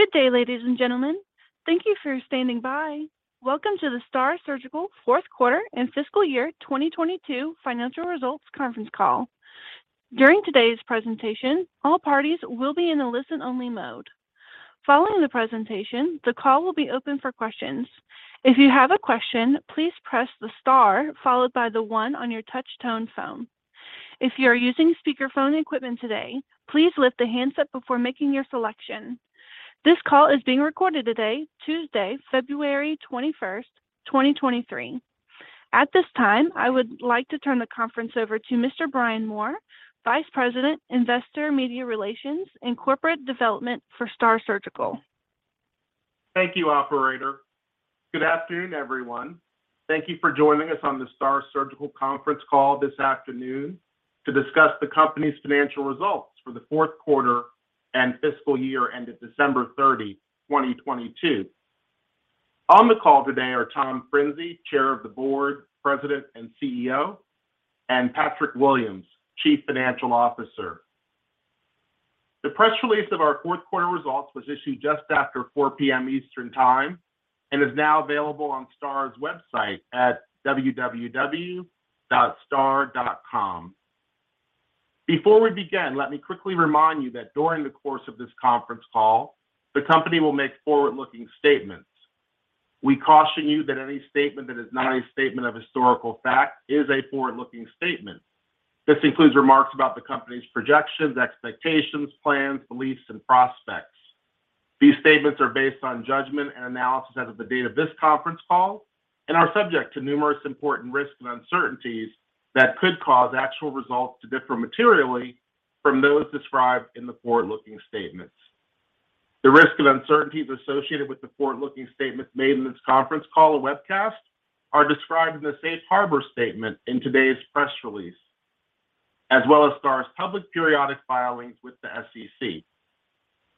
Good day, ladies and gentlemen. Thank you for standing by. Welcome to the STAAR Surgical 4th Quarter and Fiscal Year 2022 Financial Results Conference Call. During today's presentation, all parties will be in a listen-only mode. Following the presentation, the call will be open for questions. If you have a question, please press the star followed by the one on your touch-tone phone. If you are using speakerphone equipment today, please lift the handset before making your selection. This call is being recorded today, Tuesday, February 21st, 2023. At this time, I would like to turn the conference over to Mr. Brian Moore, Vice President, Investor Media Relations and Corporate Development for STAAR Surgical. Thank you, operator. Good afternoon, everyone. Thank you for joining us on the STAAR Surgical conference call this afternoon to discuss the company's financial results for the 2nd quarter and fiscal year ended December 30, 2022. On the call today are Tom Frinzi, Chair of the Board, President, and CEO, and Patrick Williams, Chief Financial Officer. The press release of our 4th quarter results was issued just after 4:00 P.M. Eastern Time and is now available on STAAR's website at www.staar.com. Before we begin, let me quickly remind you that during the course of this conference call, the company will make forward-looking statements. We caution you that any statement that is not a statement of historical fact is a forward-looking statement. This includes remarks about the company's projections, expectations, plans, beliefs, and prospects. These statements are based on judgment and analysis as of the date of this conference call and are subject to numerous important risks and uncertainties that could cause actual results to differ materially from those described in the forward-looking statements. The risks and uncertainties associated with the forward-looking statements made in this conference call or webcast are described in the safe harbor statement in today's press release, as well as STAAR's public periodic filings with the SEC.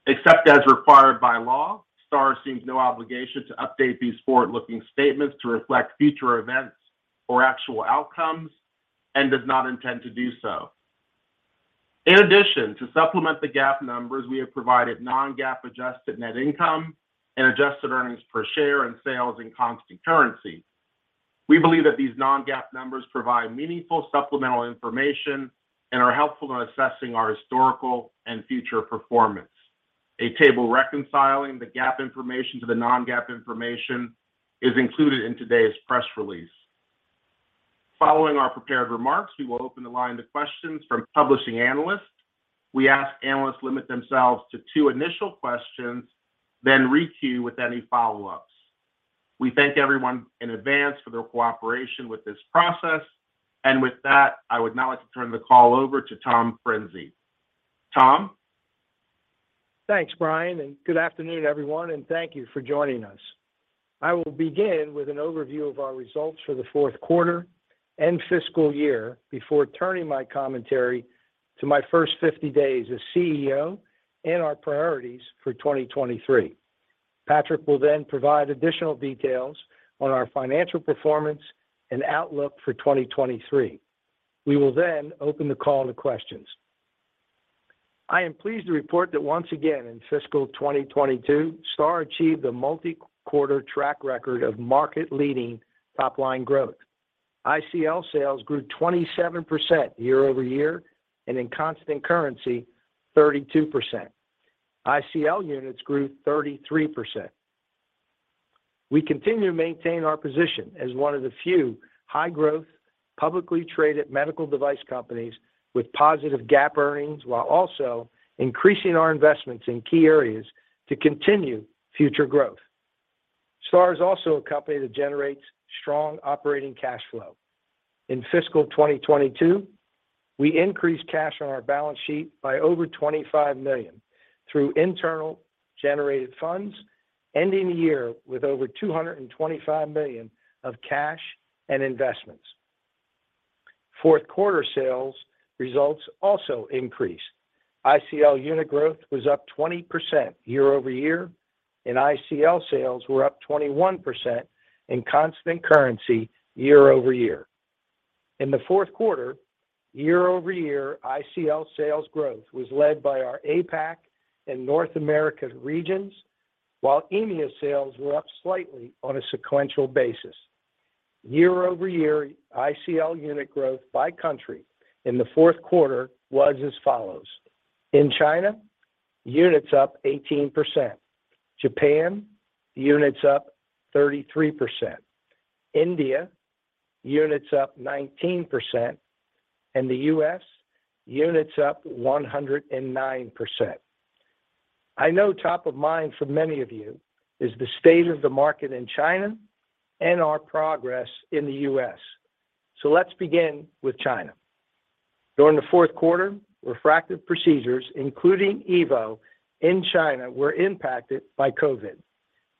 Except as required by law, STAAR assumes no obligation to update these forward-looking statements to reflect future events or actual outcomes and does not intend to do so. In addition, to supplement the GAAP numbers, we have provided non-GAAP adjusted net income and adjusted earnings per share and sales in constant currency. We believe that these non-GAAP numbers provide meaningful supplemental information and are helpful in assessing our historical and future performance. A table reconciling the GAAP information to the non-GAAP information is included in today's press release. Following our prepared remarks, we will open the line to questions from publishing analysts. We ask analysts limit themselves to two initial questions, then re-queue with any follow-ups. We thank everyone in advance for their cooperation with this process. With that, I would now like to turn the call over to Tom Frinzi. Tom? Thanks, Brian, good afternoon, everyone, and thank you for joining us. I will begin with an overview of our results for the 4th quarter and fiscal year before turning my commentary to my 1st 50 days as CEO and our priorities for 2023. Patrick will then provide additional details on our financial performance and outlook for 2023. We will then open the call to questions. I am pleased to report that once again in fiscal 2022, STAAR achieved a multi-quarter track record of market-leading top-line growth. ICL sales grew 27% year-over-year and in constant currency, 32%. ICL units grew 33%. We continue to maintain our position as one of the few high-growth, publicly traded medical device companies with positive GAAP earnings, while also increasing our investments in key areas to continue future growth. STAAR is also a company that generates strong operating cash flow. In fiscal 2022, we increased cash on our balance sheet by over $25 million through internal generated funds, ending the year with over $225 million of cash and investments. Fourth quarter sales results also increased. ICL unit growth was up 20% year-over-year, and ICL sales were up 21% in constant currency year-over-year. In the 4th quarter, year-over-year ICL sales growth was led by our APAC and North America regions, while EMEA sales were up slightly on a sequential basis. Year-over-year ICL unit growth by country in the 4th quarter was as follows. In China, units up 18%. Japan, units up 33%. India, units up 19%, and the U.S., units up 109%. I know top of mind for many of you is the state of the market in China and our progress in the U.S. Let's begin with China. During the 4th quarter, refractive procedures, including EVO in China, were impacted by COVID.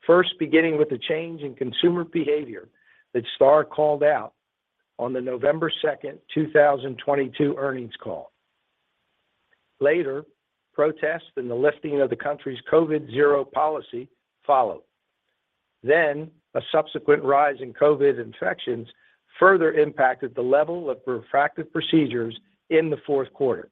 First, beginning with the change in consumer behavior that STAAR called out on the November 2nd, 2022 earnings call. Later, protests and the lifting of the country's Zero-COVID policy followed. A subsequent rise in COVID infections further impacted the level of refractive procedures in the 4th quarter.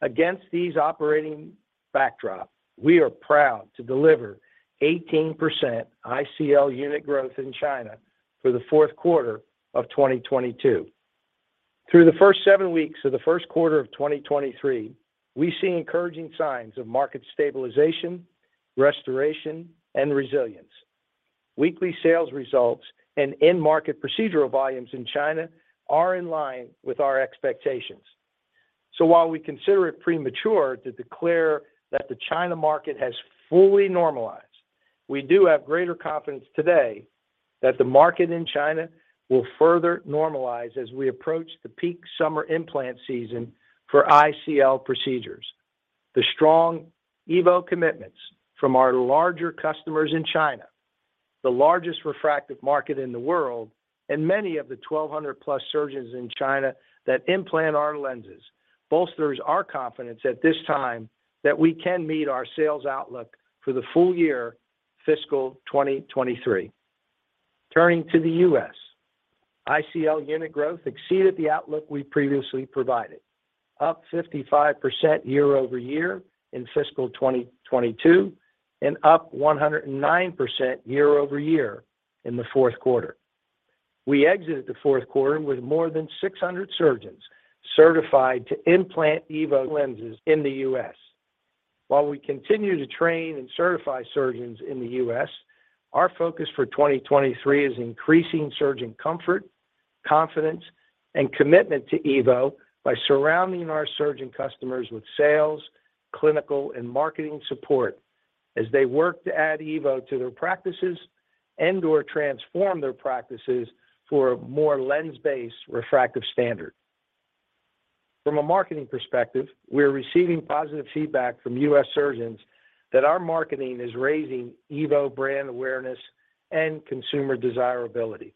Against these operating backdrop, we are proud to deliver 18% ICL unit growth in China for the 4th quarter of 2022. Through the 1st seven weeks of the 1st quarter of 2023, we see encouraging signs of market stabilization, restoration, and resilience. Weekly sales results and end market procedural volumes in China are in line with our expectations. While we consider it premature to declare that the China market has fully normalized, we do have greater confidence today that the market in China will further normalize as we approach the peak summer implant season for ICL procedures. The strong EVO commitments from our larger customers in China, the largest refractive market in the world, and many of the 1,200 plus surgeons in China that implant our lenses bolsters our confidence at this time that we can meet our sales outlook for the full year fiscal 2023. Turning to the U.S. ICL unit growth exceeded the outlook we previously provided, up 55% year-over-year in fiscal 2022 and up 109% year-over-year in the 4th quarter. We exited the 4th quarter with more than 600 surgeons certified to implant EVO lenses in the U.S. While we continue to train and certify surgeons in the U.S., our focus for 2023 is increasing surgeon comfort, confidence, and commitment to EVO by surrounding our surgeon customers with sales, clinical, and marketing support as they work to add EVO to their practices and or transform their practices for a more lens-based refractive standard. From a marketing perspective, we're receiving positive feedback from U.S. surgeons that our marketing is raising EVO brand awareness and consumer desirability.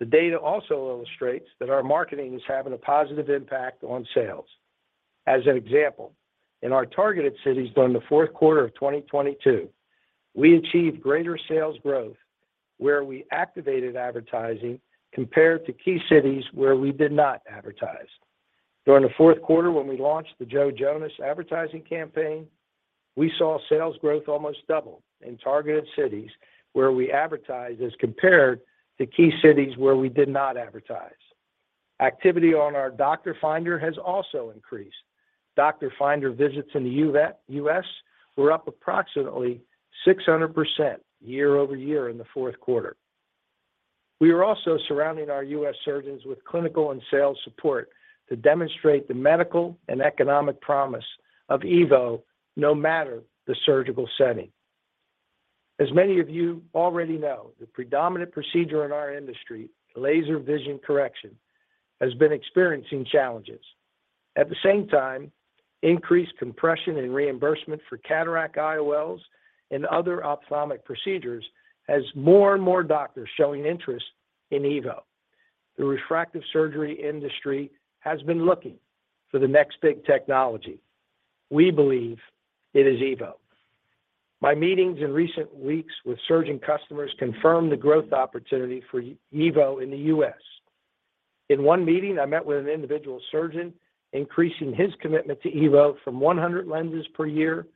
The data also illustrates that our marketing is having a positive impact on sales. As an example, in our targeted cities during the 4th quarter of 2022, we achieved greater sales growth where we activated advertising compared to key cities where we did not advertise. During the 4th quarter when we launched the Joe Jonas advertising campaign, we saw sales growth almost double in targeted cities where we advertised as compared to key cities where we did not advertise. Activity on our doctor finder has also increased. Doctor finder visits in the U.S. were up approximately 600% year-over-year in the 4th quarter. We are also surrounding our U.S. surgeons with clinical and sales support to demonstrate the medical and economic promise of EVO no matter the surgical setting. As many of you already know, the predominant procedure in our industry, laser vision correction, has been experiencing challenges. At the same time, increased compression and reimbursement for cataract IOLs and other ophthalmic procedures has more and more doctors showing interest in EVO. The refractive surgery industry has been looking for the next big technology. We believe it is EVO. My meetings in recent weeks with surgeon customers confirm the growth opportunity for EVO in the U.S. In one meeting, I met with an individual surgeon increasing his commitment to EVO from 100 lenses per year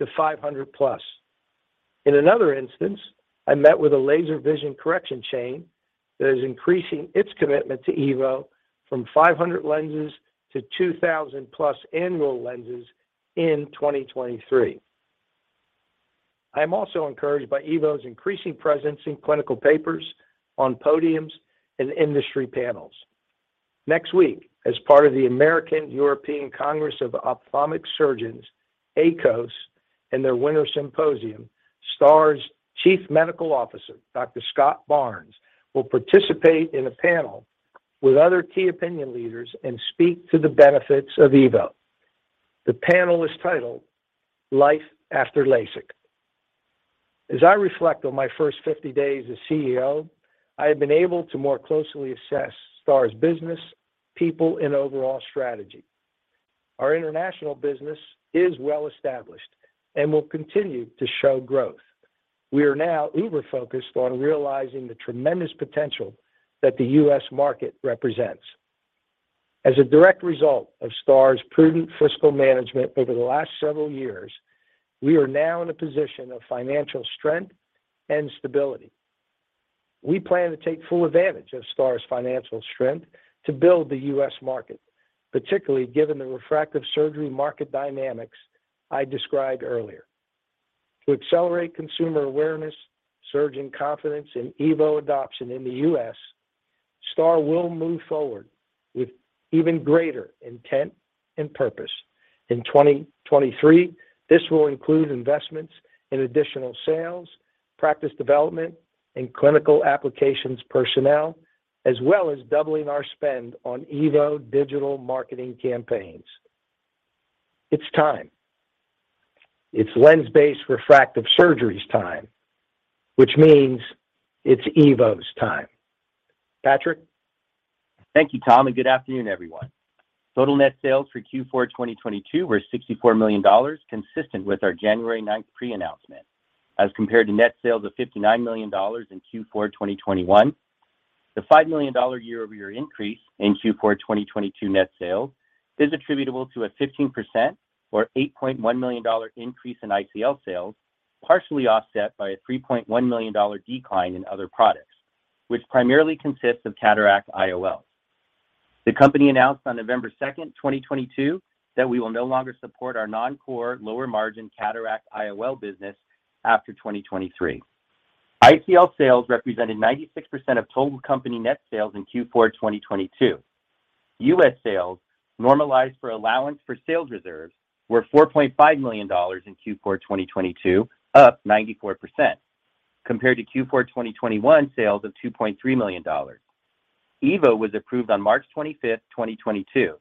to 500 plus. In another instance, I met with a laser vision correction chain that is increasing its commitment to EVO from 500 lenses-2,000+ annual lenses in 2023. I am also encouraged by EVO's increasing presence in clinical papers on podiums and industry panels. Next week, as part of the American-European Congress of Ophthalmic Surgery, AECOS, and their Winter Symposium, STAAR's Chief Medical Officer, Dr. Scott Barnes, will participate in a panel with other key opinion leaders and speak to the benefits of EVO. The panel is titled Life After LASIK. As I reflect on my 1st 50 days as CEO, I have been able to more closely assess STAAR's business, people, and overall strategy. Our international business is well established and will continue to show growth. We are now uber focused on realizing the tremendous potential that the U.S. market represents. As a direct result of STAAR's prudent fiscal management over the last several years, we are now in a position of financial strength and stability. We plan to take full advantage of STAAR's financial strength to build the U.S. market, particularly given the refractive surgery market dynamics I described earlier. To accelerate consumer awareness, surgeon confidence, and EVO adoption in the U.S., STAAR will move forward with even greater intent and purpose. In 2023, this will include investments in additional sales, practice development, and clinical applications personnel, as well as doubling our spend on EVO digital marketing campaigns. It's time. It's lens-based refractive surgery's time, which means it's EVO's time. Patrick? Thank you, Tom Frinzi, and good afternoon, everyone. Total net sales for Q4 2022 were $64 million, consistent with our January 9th pre-announcement, as compared to net sales of $59 million in Q4 2021. The $5 million year-over-year increase in Q4 2022 net sales is attributable to a 15% or $8.1 million increase in ICL sales, partially offset by a $3.1 million decline in other products, which primarily consists of cataract IOL. The company announced on November 2nd, 2022 that we will no longer support our non-core lower margin cataract IOL business after 2023. ICL sales represented 96% of total company net sales in Q4 2022. U.S. sales normalized for allowance for sales reserves were $4.5 million in Q4 2022, up 94%, compared to Q4 2021 sales of $2.3 million. EVO was approved on March 25th, 2022.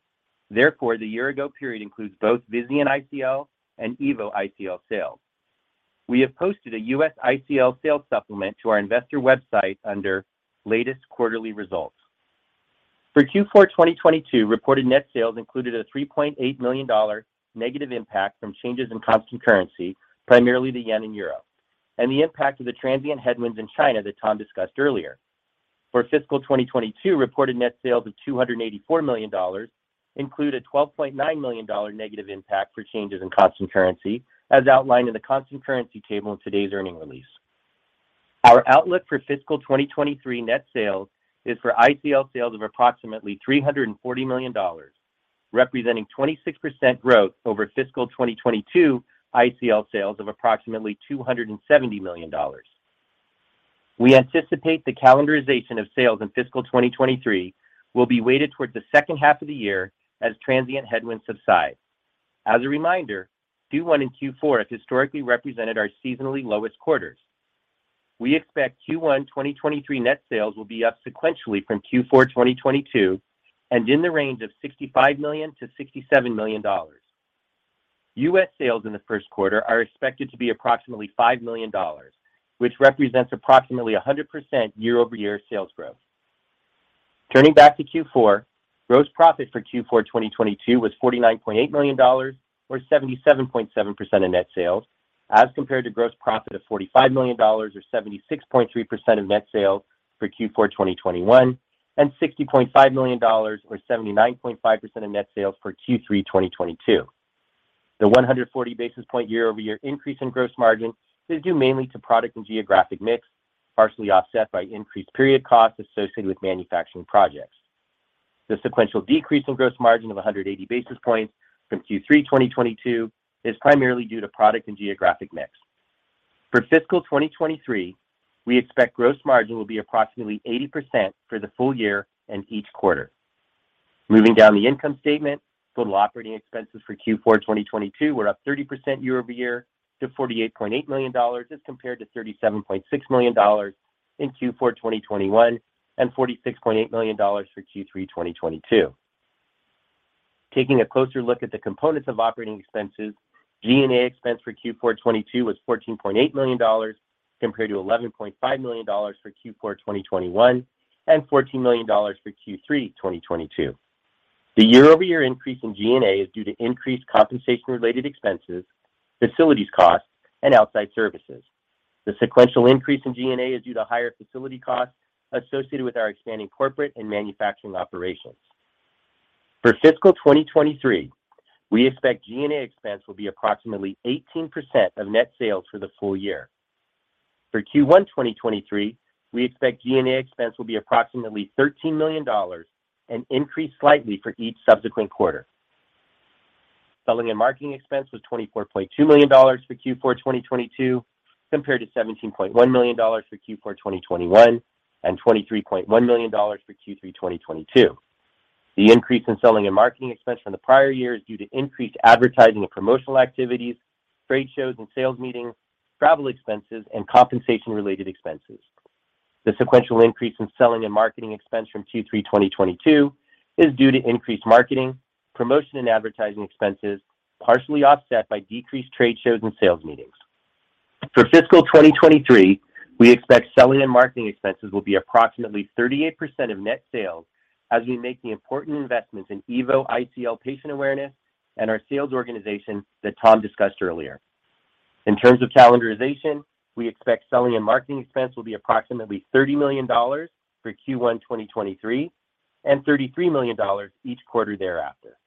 Therefore, the year ago period includes both Visian ICL and EVO ICL sales. We have posted a U.S. ICL sales supplement to our investor website under Latest Quarterly Results. For Q4 2022, reported net sales included a $3.8 million negative impact from changes in constant currency, primarily the JPY and EUR, and the impact of the transient headwinds in China that Tom discussed earlier. For fiscal 2022, reported net sales of $284 million include a $12.9 million negative impact for changes in constant currency, as outlined in the constant currency table in today's earnings release. Our outlook for fiscal 2023 net sales is for ICL sales of approximately $340 million, representing 26% growth over fiscal 2022 ICL sales of approximately $270 million. We anticipate the calendarization of sales in fiscal 2023 will be weighted towards the 2nd half of the year as transient headwinds subside. As a reminder, Q1 and Q4 have historically represented our seasonally lowest quarters. We expect Q1 2023 net sales will be up sequentially from Q4 2022 and in the range of $65 million-$67 million. U.S. sales in the 1st quarter are expected to be approximately $5 million, which represents approximately 100% year-over-year sales growth. Turning back to Q4, gross profit for Q4 2022 was $49.8 million or 77.7% of net sales, as compared to gross profit of $45 million or 76.3% of net sales for Q4 2021 and $60.5 million or 79.5% of net sales for Q3 2022. The 140 basis point year-over-year increase in gross margin is due mainly to product and geographic mix, partially offset by increased period costs associated with manufacturing projects. The sequential decrease in gross margin of 180 basis points from Q3 2022 is primarily due to product and geographic mix. For fiscal 2023, we expect gross margin will be approximately 80% for the full year and each quarter. Moving down the income statement, total operating expenses for Q4 2022 were up 30% year-over-year to $48.8 million as compared to $37.6 million in Q4 2021 and $46.8 million for Q3 2022. Taking a closer look at the components of operating expenses, G&A expense for Q4 2022 was $14.8 million compared to $11.5 million for Q4 2021 and $14 million for Q3 2022. The year-over-year increase in G&A is due to increased compensation related expenses, facilities costs, and outside services. The sequential increase in G&A is due to higher facility costs associated with our expanding corporate and manufacturing operations. For fiscal 2023, we expect G&A expense will be approximately 18% of net sales for the full year. For Q1 2023, we expect G&A expense will be approximately $13 million and increase slightly for each subsequent quarter. Selling and marketing expense was $24.2 million for Q4 2022 compared to $17.1 million for Q4 2021 and $23.1 million for Q3 2022. The increase in selling and marketing expense from the prior year is due to increased advertising and promotional activities, trade shows and sales meetings, travel expenses, and compensation related expenses. The sequential increase in selling and marketing expense from Q3 2022 is due to increased marketing, promotion and advertising expenses, partially offset by decreased trade shows and sales meetings. For fiscal 2023, we expect selling and marketing expenses will be approximately 38% of net sales as we make the important investments in EVO ICL patient awareness and our sales organization that Tom discussed earlier. In terms of calendarization, we expect selling and marketing expense will be approximately $30 million for Q1 2023 and $33 million each quarter thereafter.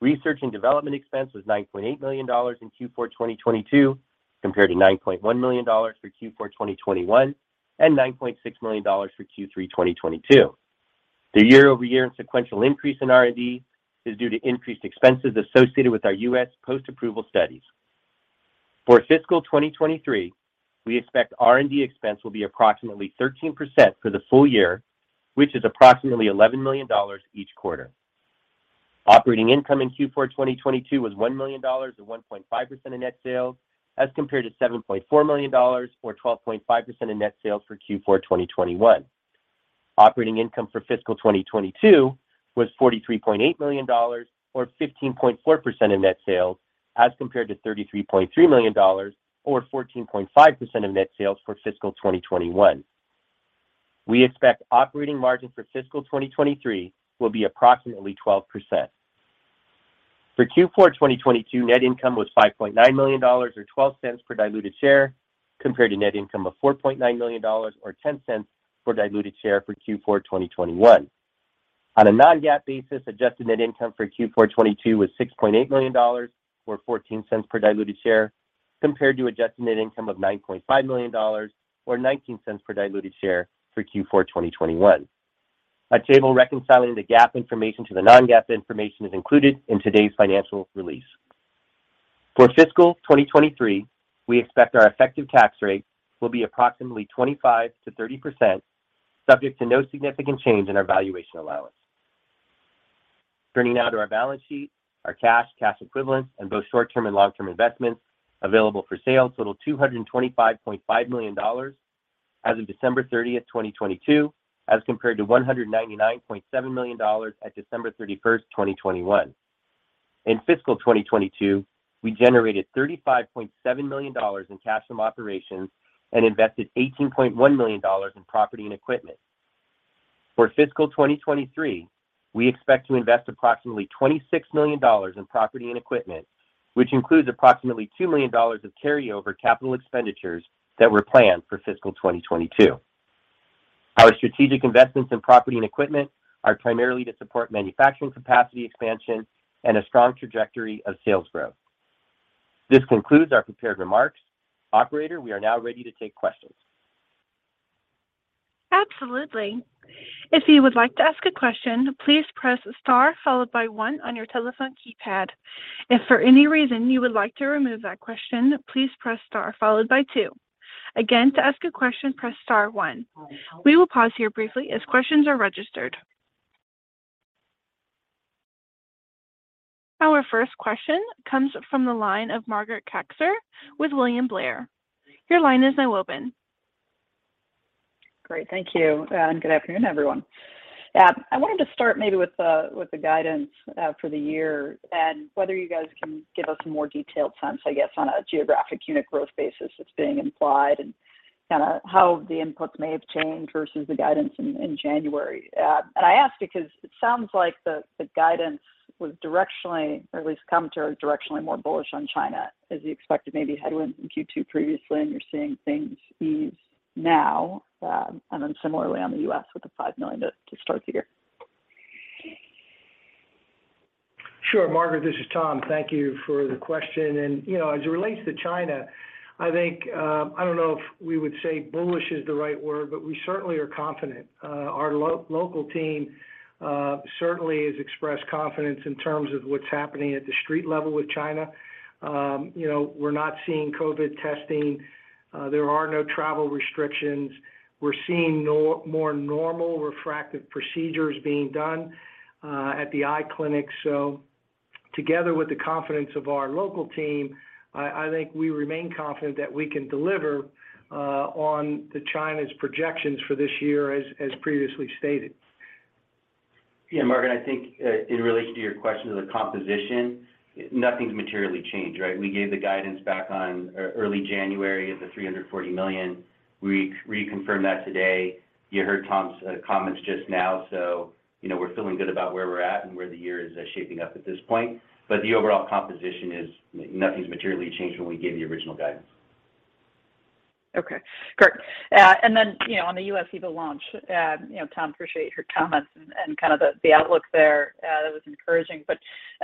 Research and development expense was $9.8 million in Q4 2022 compared to $9.1 million for Q4 2021 and $9.6 million for Q3 2022. The year-over-year and sequential increase in R&D is due to increased expenses associated with our U.S. post-approval studies. For fiscal 2023, we expect R&D expense will be approximately 13% for the full year, which is approximately $11 million each quarter. Operating income in Q4 2022 was $1 million or 1.5% of net sales as compared to $7.4 million or 12.5% of net sales for Q4 2021. Operating income for fiscal 2022 was $43.8 million or 15.4% of net sales as compared to $33.3 million or 14.5% of net sales for fiscal 2021. We expect operating margin for fiscal 2023 will be approximately 12%. For Q4 2022, net income was $5.9 million or $0.12 per diluted share compared to net income of $4.9 million or $0.10 per diluted share for Q4 2021. On a non-GAAP basis, adjusted net income for Q4 2022 was $6.8 million or $0.14 per diluted share compared to adjusted net income of $9.5 million or $0.19 per diluted share for Q4 2021. A table reconciling the GAAP information to the non-GAAP information is included in today's financial release. For fiscal 2023, we expect our effective tax rate will be approximately 25%-30% subject to no significant change in our valuation allowance. Turning now to our balance sheet, our cash equivalents, and both short-term and long-term investments available for sale totaled $225.5 million as of December 30th, 2022, as compared to $199.7 million at December 31st, 2021. In fiscal 2022, we generated $35.7 million in cash from operations and invested $18.1 million in property and equipment. For fiscal 2023, we expect to invest approximately $26 million in property and equipment, which includes approximately $2 million of carryover capital expenditures that were planned for fiscal 2022. Our strategic investments in property and equipment are primarily to support manufacturing capacity expansion and a strong trajectory of sales growth. This concludes our prepared remarks. Operator, we are now ready to take questions. Absolutely. If you would like to ask a question, please press star followed by one on your telephone keypad. If for any reason you would like to remove that question, please press star followed by two. Again, to ask a question, press star one. We will pause here briefly as questions are registered. Our 1st question comes from the line of Margaret Kaczor with William Blair. Your line is now open. Great. Thank you and good afternoon, everyone. I wanted to start maybe with the guidance for the year and whether you guys can give us a more detailed sense, I guess, on a geographic unit growth basis that's being implied and kinda how the inputs may have changed versus the guidance in January. I ask because it sounds like the guidance was directionally, or at least come to directionally more bullish on China as you expected maybe headwinds in Q2 previously, and you're seeing things ease now, and then similarly on the U.S. with the $5 million to start the year. Sure, Margaret. This is Tom. Thank you for the question. You know, as it relates to China, I think, I don't know if we would say bullish is the right word, but we certainly are confident. Our local team certainly has expressed confidence in terms of what's happening at the street level with China. You know, we're not seeing COVID testing. There are no travel restrictions. We're seeing more normal refractive procedures being done at the eye clinic. Together with the confidence of our local team, I think we remain confident that we can deliver on China's projections for this year as previously stated. Yeah, Margaret, I think, in relation to your question of the composition, nothing's materially changed, right? We gave the guidance back on early January of $340 million. We reconfirmed that today. You heard Tom's comments just now, so, you know, we're feeling good about where we're at and where the year is shaping up at this point. But the overall composition is nothing's materially changed when we gave the original guidance. Okay, great. You know, on the U.S. EVO launch, you know, Tom, appreciate your comments and kind of the outlook there. That was encouraging.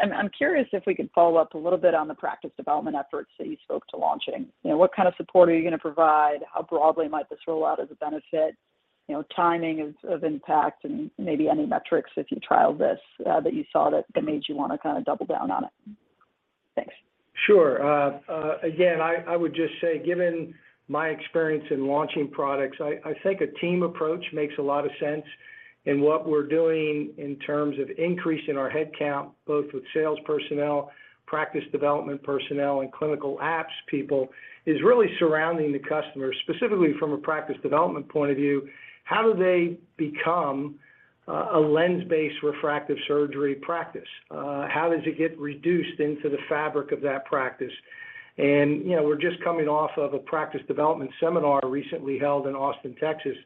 I'm curious if we could follow up a little bit on the practice development efforts that you spoke to launching. You know, what kind of support are you gonna provide? How broadly might this roll out as a benefit? You know, timing of impact and maybe any metrics if you trialed this, that you saw that made you wanna kinda double down on it? Thanks. Sure. Again, I would just say, given my experience in launching products, I think a team approach makes a lot of sense. What we're doing in terms of increasing our headcount, both with sales personnel, practice development personnel, and clinical apps people, is really surrounding the customer, specifically from a practice development point of view. How do they become a lens-based refractive surgery practice? How does it get reduced into the fabric of that practice? You know, we're just coming off of a practice development seminar recently held in Austin, Texas,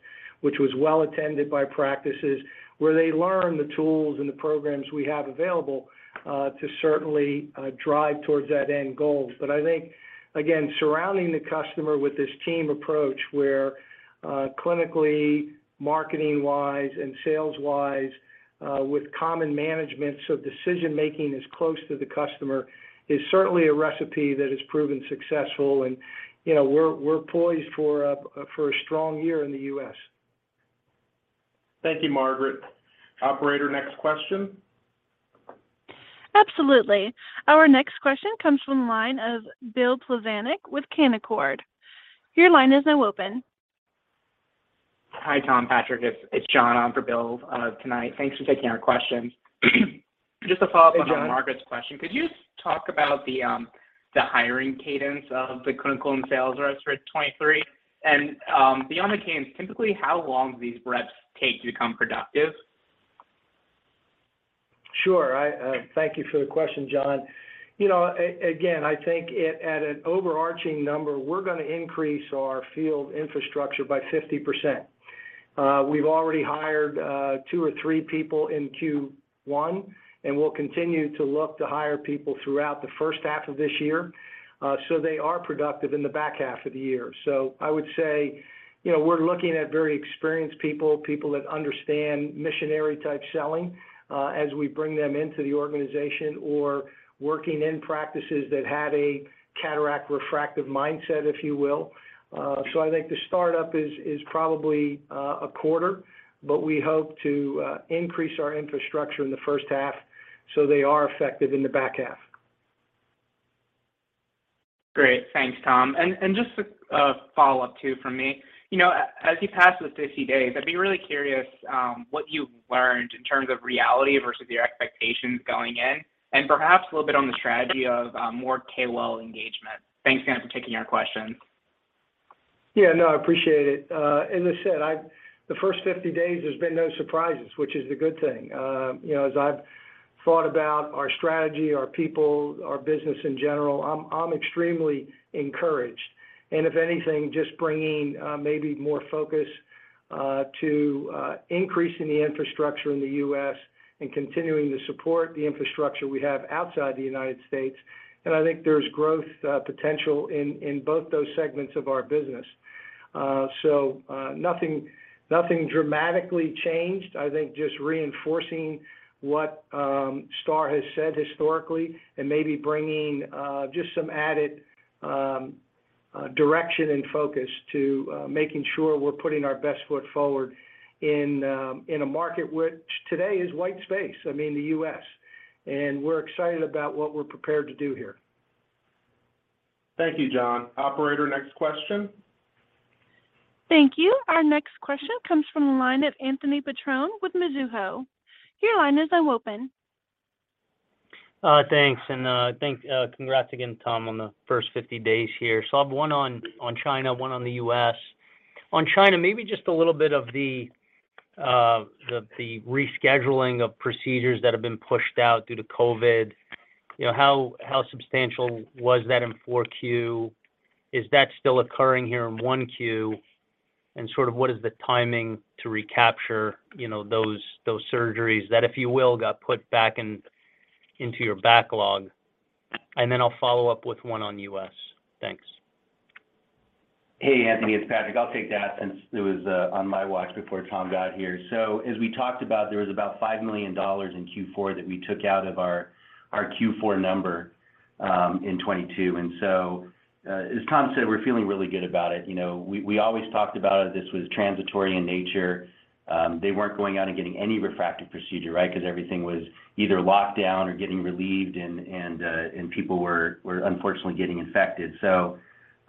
which was well attended by practices, where they learn the tools and the programs we have available to certainly drive towards that end goal. I think, again, surrounding the customer with this team approach where, clinically, marketing wise, and sales wise, with common management, so decision-making is close to the customer, is certainly a recipe that has proven successful. You know, we're poised for a, for a strong year in the U.S. Thank you, Margaret. Operator, next question. Absolutely. Our next question comes from the line of Bill Plovanic with Canaccord. Your line is now open. Hi, Tom, Patrick. It's John on for Bill tonight. Thanks for taking our questions. Just a follow-up on John. Hey, John.... Margaret's question. Could you talk about the hiring cadence of the clinical and sales reps for 2023? Beyond the cadence, typically, how long do these reps take to become productive? Sure. Thank you for the question, John. You know, again, I think at an overarching number, we're gonna increase our field infrastructure by 50%. We've already hired two or three people in Q1, we'll continue to look to hire people throughout the 1st half of this year, so they are productive in the back half of the year. I would say, you know, we're looking at very experienced people that understand missionary-type selling, as we bring them into the organization or working in practices that had a cataract refractive mindset, if you will. I think the startup is probably a quarter, but we hope to increase our infrastructure in the 1st half, so they are effective in the back half. Great. Thanks, Tom. Just a follow-up too from me. You know, as you pass those 50 days, I'd be really curious, what you've learned in terms of reality versus your expectations going in, and perhaps a little bit on the strategy of more KOL engagement. Thanks again for taking our questions. Yeah, no, I appreciate it. As I said, the 1st 50 days, there's been no surprises, which is a good thing. You know, as I've thought about our strategy, our people, our business in general, I'm extremely encouraged. If anything, just bringing maybe more focus to increasing the infrastructure in the U.S. and continuing to support the infrastructure we have outside the United States. I think there's growth potential in both those segments of our business. Nothing, nothing dramatically changed. I think just reinforcing what STAAR has said historically and maybe bringing just some added direction and focus to making sure we're putting our best foot forward in a market which today is white space, I mean, the U.S. We're excited about what we're prepared to do here. Thank you, John. Operator, next question. Thank you. Our next question comes from the line of Anthony Petrone with Mizuho. Your line is now open. Thanks. Congrats again, Tom, on the 1st 50 days here. I have one on China, one on the U.S. On China, maybe just a little bit of the rescheduling of procedures that have been pushed out due to COVID. You know, how substantial was that in 4Q? Is that still occurring here in 1Q? Sort of what is the timing to recapture, you know, those surgeries that, if you will, got put back into your backlog? Then I'll follow up with one on U.S. Thanks. Hey, Anthony, it's Patrick. I'll take that since it was on my watch before Tom got here. As we talked about, there was about $5 million in Q4 that we took out of our Q4 number in 2022. As Tom said, we're feeling really good about it. You know, we always talked about it. This was transitory in nature. They weren't going out and getting any refractive procedure, right? Because everything was either locked down or getting relieved and people were unfortunately getting infected. As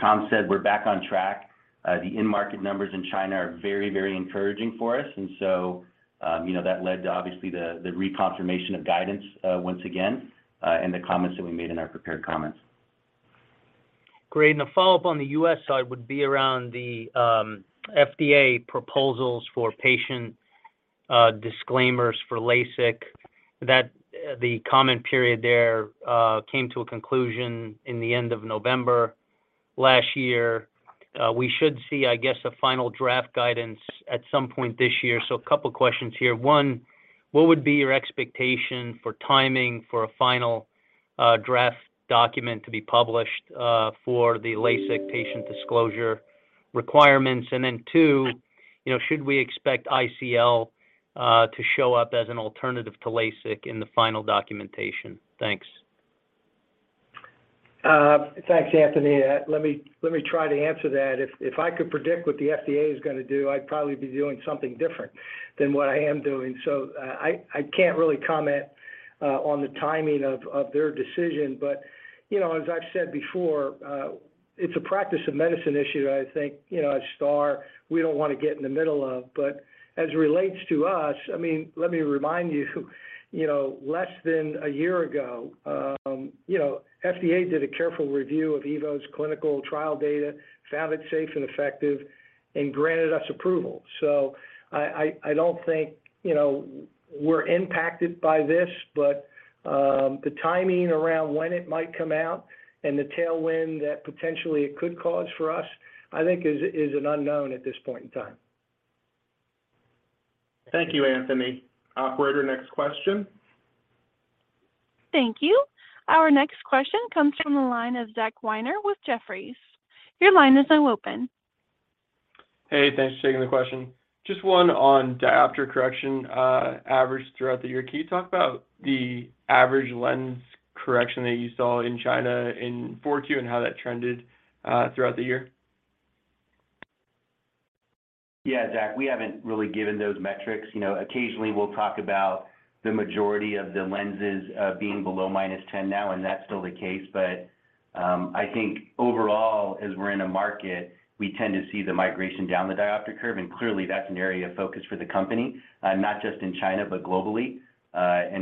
Tom said, we're back on track. The in-market numbers in China are very, very encouraging for us. You know, that led to obviously the reconfirmation of guidance once again and the comments that we made in our prepared comments. Great. A follow-up on the U.S. side would be around the FDA proposals for patient disclaimers for LASIK, that the comment period there came to a conclusion in the end of November last year. We should see, I guess, a final draft guidance at some point this year. A couple questions here. One, what would be your expectation for timing for a final draft document to be published for the LASIK patient disclosure requirements? Then two, you know, should we expect ICL to show up as an alternative to LASIK in the final documentation? Thanks. Thanks, Anthony. Let me try to answer that. If I could predict what the FDA is gonna do, I'd probably be doing something different than what I am doing. I can't really comment on the timing of their decision. You know, as I've said before, it's a practice of medicine issue that I think, you know, at STAAR, we don't wanna get in the middle of. As it relates to us, I mean, let me remind you know, less than a year ago, you know, FDA did a careful review of EVO's clinical trial data, found it safe and effective, and granted us approval. I don't think, you know, we're impacted by this, but the timing around when it might come out and the tailwind that potentially it could cause for us, I think is an unknown at this point in time. Thank you, Anthony. Operator, next question. Thank you. Our next question comes from the line of Zach Weiner with Jefferies. Your line is now open. Hey, thanks for taking the question. Just one on diopter correction, average throughout the year. Can you talk about the average lens correction that you saw in China in 4Q and how that trended throughout the year? Yeah, Zach, we haven't really given those metrics. You know, occasionally we'll talk about the majority of the lenses being below -10 now, and that's still the case. I think overall, as we're in a market, we tend to see the migration down the diopter curve, and clearly that's an area of focus for the company, not just in China, but globally.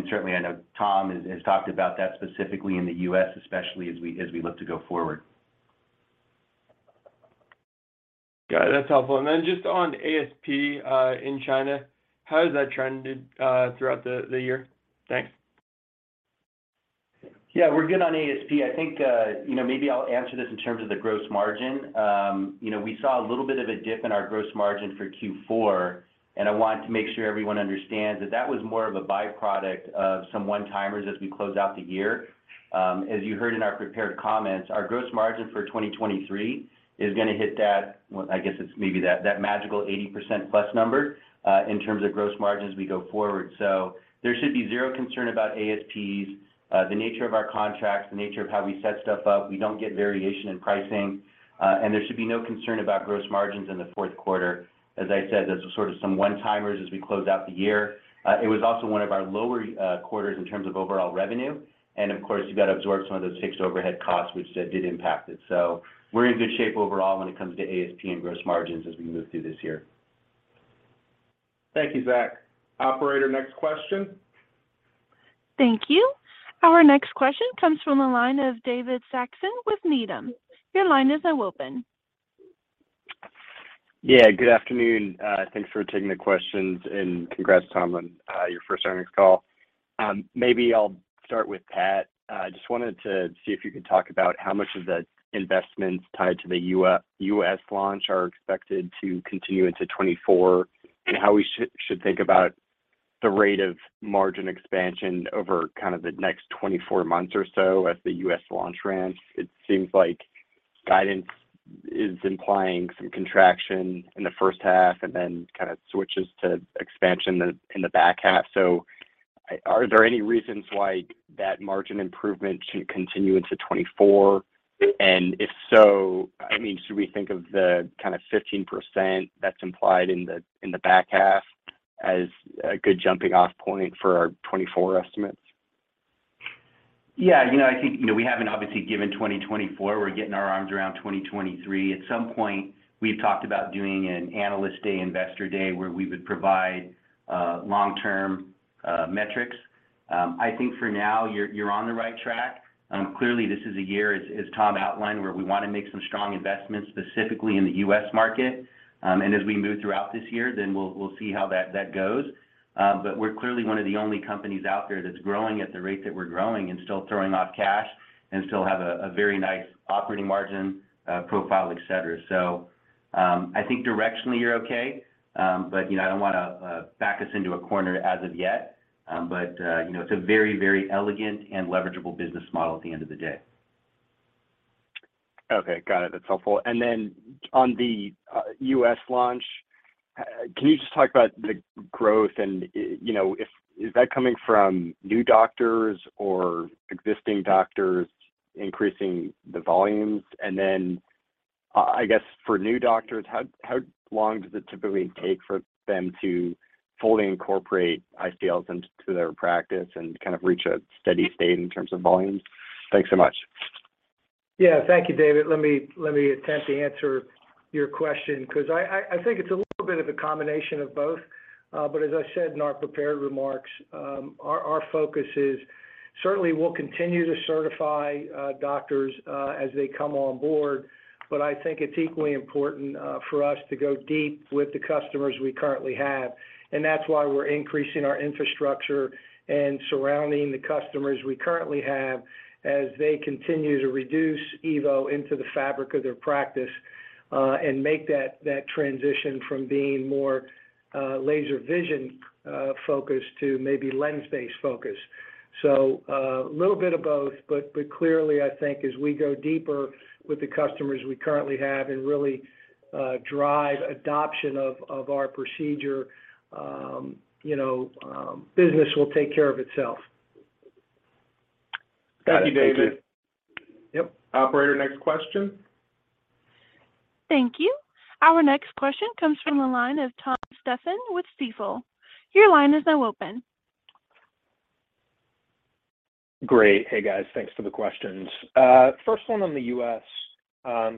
Certainly I know Tom has talked about that specifically in the U.S. especially as we look to go forward. Got it. That's helpful. Just on ASP, in China, how has that trended, throughout the year? Thanks. We're good on ASP. I think, you know, maybe I'll answer this in terms of the gross margin. You know, we saw a little bit of a dip in our gross margin for Q4, and I want to make sure everyone understands that that was more of a byproduct of some one-timers as we close out the year. As you heard in our prepared comments, our gross margin for 2023 is gonna hit that, well, I guess it's maybe that magical 80%+ number in terms of gross margin as we go forward. There should be zero concern about ASPs. The nature of our contracts, the nature of how we set stuff up, we don't get variation in pricing. There should be no concern about gross margins in the 4th quarter. I said, those were sort of some one-timers as we closed out the year. It was also one of our lower quarters in terms of overall revenue, and of course, you've got to absorb some of those fixed overhead costs which that did impact it. We're in good shape overall when it comes to ASP and gross margins as we move through this year. Thank you, Zach. Operator, next question. Thank you. Our next question comes from the line of David Saxon with Needham & Company. Your line is now open. Good afternoon. Thanks for taking the questions, and congrats, Tom, on your 1st earnings call. Maybe I'll start with Pat. Just wanted to see if you could talk about how much of the investments tied to the U.S. launch are expected to continue into 2024, and how we should think about the rate of margin expansion over kind of the next 24 months or so as the U.S. launch ramps. It seems like guidance is implying some contraction in the 1st half and then kind of switches to expansion in the, in the back half. Are there any reasons why that margin improvement should continue into 2024? If so, I mean, should we think of the kind of 15% that's implied in the, in the back half as a good jumping-off point for our 2024 estimates? Yeah. You know, I think, you know, we haven't obviously given 2024. We're getting our arms around 2023. At some point, we've talked about doing an Analyst day, Investor day, where we would provide long-term metrics. I think for now you're on the right track. Clearly this is a year, as Tom outlined, where we wanna make some strong investments specifically in the U.S. market. As we move throughout this year, then we'll see how that goes. We're clearly one of the only companies out there that's growing at the rate that we're growing and still throwing off cash and still have a very nice operating margin profile, et cetera. I think directionally you're okay. You know, I don't wanna back us into a corner as of yet. You know, it's a very, very elegant and leverageable business model at the end of the day. Okay. Got it. That's helpful. On the U.S. launch, can you just talk about the growth and, you know, is that coming from new doctors or existing doctors increasing the volumes? I guess for new doctors, how long does it typically take for them to fully incorporate ICLs into their practice and kind of reach a steady state in terms of volumes? Thanks so much. Yeah. Thank you, David. Let me attempt to answer your question because I think it's a little bit of a combination of both. As I said in our prepared remarks, our focus is certainly we'll continue to certify doctors as they come on board, but I think it's equally important for us to go deep with the customers we currently have, and that's why we're increasing our infrastructure and surrounding the customers we currently have as they continue to reduce EVO into the fabric of their practice and make that transition from being more laser vision focused to maybe lens-based focused. A little bit of both, but clearly I think as we go deeper with the customers we currently have and really drive adoption of our procedure, you know, business will take care of itself. Thank you, David. Yep. Operator, next question. Thank you. Our next question comes from the line of Thomas Stephan with Stifel. Your line is now open. Great. Hey, guys. Thanks for the questions. First one on the U.S.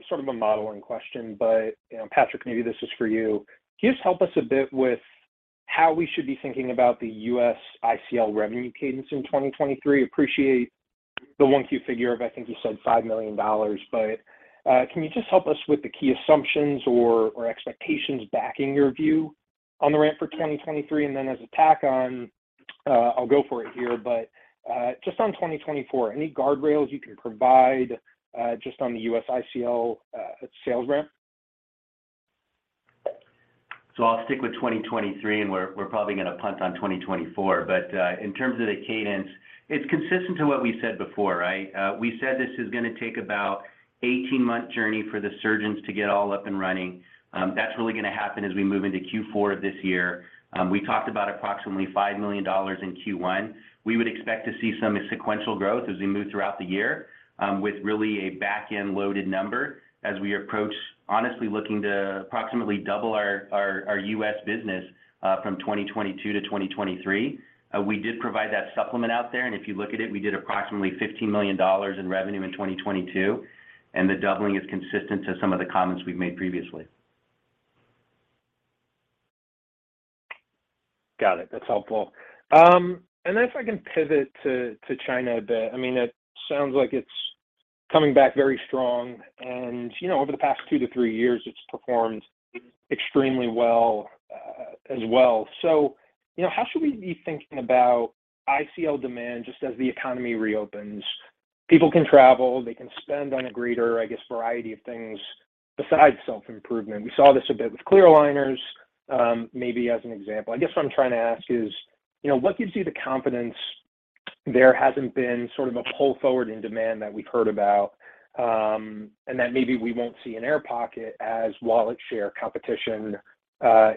sort of a modeling question, but Patrick, maybe this is for you. Can you just help us a bit with how we should be thinking about the U.S. ICL revenue cadence in 2023? Appreciate the 1Q figure of I think you said $5 million, but can you just help us with the key assumptions or expectations backing your view on the ramp for 2023? As a tack on, I'll go for it here, but just on 2024, any guardrails you can provide just on the U.S. ICL sales ramp? I'll stick with 2023, and we're probably gonna punt on 2024. In terms of the cadence, it's consistent to what we said before, right? We said this is gonna take about 18 month journey for the surgeons to get all up and running. That's really gonna happen as we move into Q4 of this year. We talked about approximately $5 million in Q1. We would expect to see some sequential growth as we move throughout the year, with really a back-end loaded number as we approach honestly looking to approximately double our U.S. business from 2022-2023. We did provide that supplement out there, and if you look at it, we did approximately $15 million in revenue in 2022, and the doubling is consistent to some of the comments we've made previously. Got it. That's helpful. If I can pivot to China a bit. I mean, it sounds like it's coming back very strong and, you know, over the past 2-3 years it's performed extremely well as well. You know, how should we be thinking about ICL demand just as the economy reopens? People can travel, they can spend on a greater, I guess, variety of things besides self-improvement. We saw this a bit with clear aligners, maybe as an example. I guess what I'm trying to ask is, you know, what gives you the confidence there hasn't been sort of a pull forward in demand that we've heard about, and that maybe we won't see an air pocket as wallet share competition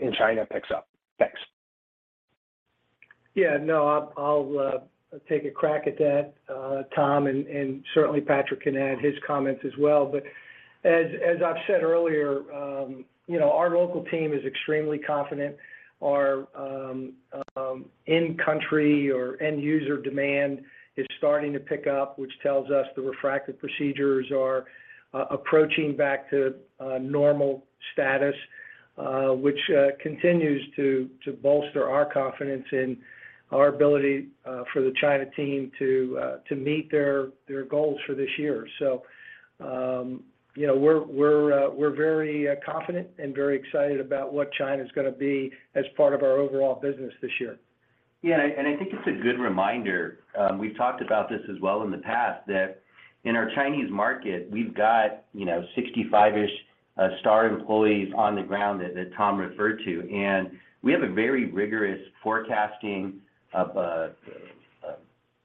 in China picks up? Thanks. Yeah, no, I'll take a crack at that, Tom, and certainly Patrick can add his comments as well. As I've said earlier, you know, our local team is extremely confident. Our in country or end user demand is starting to pick up, which tells us the refractive procedures are approaching back to normal status, which continues to bolster our confidence in our ability for the China team to meet their goals for this year. You know, we're very confident and very excited about what China's gonna be as part of our overall business this year. Yeah. I think it's a good reminder, we've talked about this as well in the past, that in our Chinese market we've got, you know, 65-ish STAAR employees on the ground that Tom referred to. We have a very rigorous forecasting of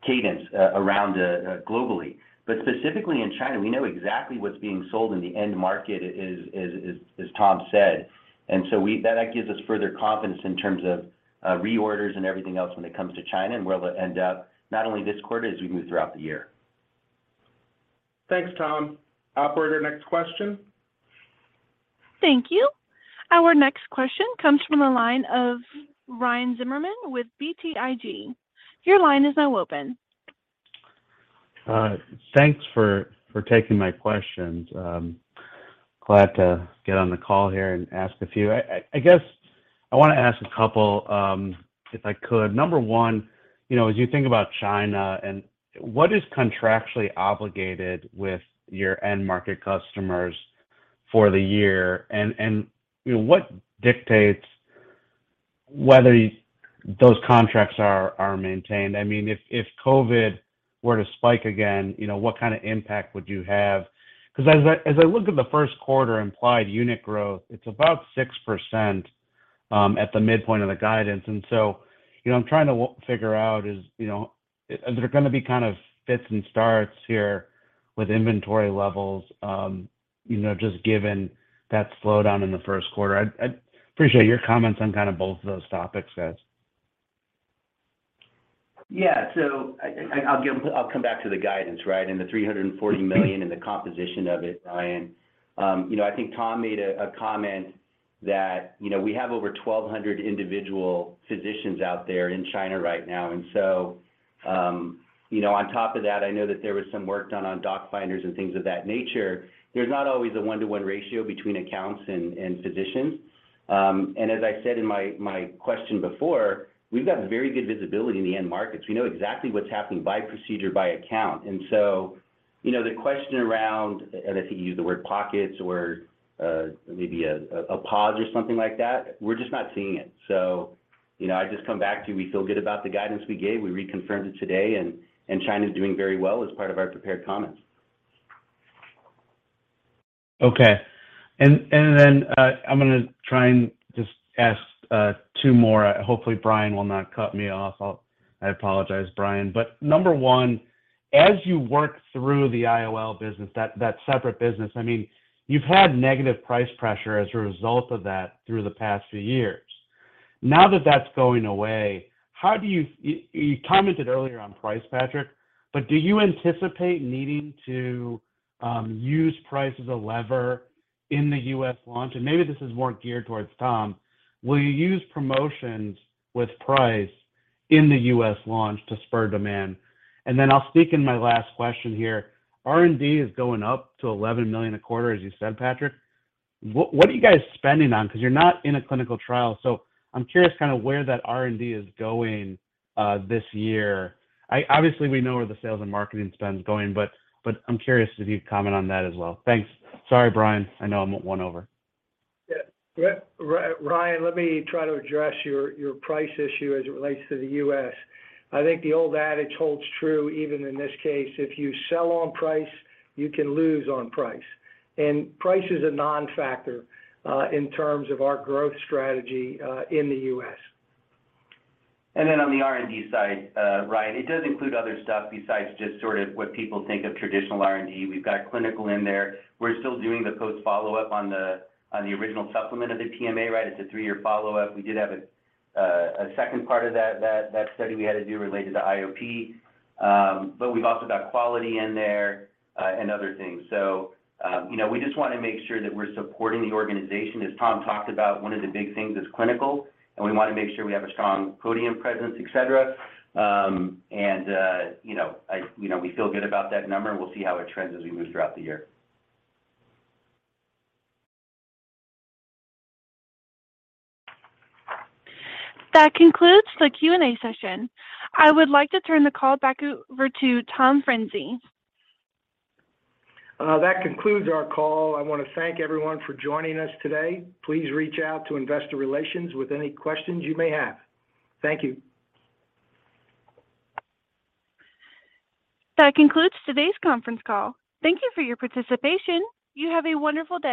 cadence around globally. Specifically in China, we know exactly what's being sold in the end market as Tom said. That gives us further confidence in terms of reorders and everything else when it comes to China and where they'll end up, not only this quarter, as we move throughout the year. Thanks, Tom. Operator, next question. Thank you. Our next question comes from the line of Ryan Zimmerman with BTIG. Your line is now open. Thanks for taking my questions. Glad to get on the call here and ask a few. I guess I wanna ask a couple if I could. Number one, you know, as you think about China and what is contractually obligated with your end market customers for the year? You know, what dictates whether those contracts are maintained? I mean, if COVID were to spike again, you know, what kind of impact would you have? Because as I look at the 1st quarter implied unit growth, it's about 6% at the midpoint of the guidance. You know, I'm trying to figure out is, you know, is there gonna be kind of fits and starts here with inventory levels, you know, just given that slowdown in the 1st quarter? I'd appreciate your comments on kind of both of those topics, guys. I'll come back to the guidance, right, and the $340 million and the composition of it, Ryan. you know, I think Tom made a comment that, you know, we have over 1,200 individual physicians out there in China right now. you know, on top of that, I know that there was some work done on doctor finders and things of that nature. There's not always a 1:1 ratio between accounts and physicians. As I said in my question before, we've got very good visibility in the end markets. We know exactly what's happening by procedure, by account. you know, the question around, and I think you used the word pockets or maybe a pause or something like that, we're just not seeing it. You know, I just come back to, we feel good about the guidance we gave. We reconfirmed it today, and China's doing very well as part of our prepared comments. Okay. I'm gonna try and just ask two more. Hopefully Brian will not cut me off. I apologize, Brian. Number one, as you work through the IOL business, that separate business, I mean, you've had negative price pressure as a result of that through the past few years. Now that that's going away, you commented earlier on price, Patrick, but do you anticipate needing to use price as a lever in the U.S. launch? Maybe this is more geared towards Tom. Will you use promotions with price in the U.S. launch to spur demand? I'll sneak in my last question here. R&D is going up to $11 million a quarter, as you said, Patrick. What are you guys spending on? Because you're not in a clinical trial, I'm curious kind of where that R&D is going, this year. Obviously we know where the sales and marketing spend's going, but I'm curious if you'd comment on that as well. Thanks. Sorry, Brian, I know I'm one over. Yeah. Yeah. Ryan, let me try to address your price issue as it relates to the U.S. I think the old adage holds true even in this case, if you sell on price, you can lose on price. Price is a non-factor in terms of our growth strategy in the U.S. Then on the R&D side, Ryan, it does include other stuff besides just sort of what people think of traditional R&D. We've got clinical in there. We're still doing the post-follow-up on the original supplement of the PMA, right? It's a three-year follow-up. We did have a 2nd part of that study we had to do related to IOP. We've also got quality in there and other things. You know, we just wanna make sure that we're supporting the organization. As Tom talked about, one of the big things is clinical, and we wanna make sure we have a strong podium presence, et cetera. You know, I, you know, we feel good about that number. We'll see how it trends as we move throughout the year. That concludes the Q&A session. I would like to turn the call back over to Tom Frinzi. That concludes our call. I wanna thank everyone for joining us today. Please reach out to investor relations with any questions you may have. Thank you. That concludes today's conference call. Thank you for your participation. You have a wonderful day.